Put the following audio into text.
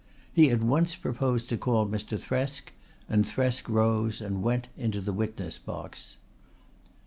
He at once proposed to call Mr. Thresk, and Thresk rose and went into the witness box.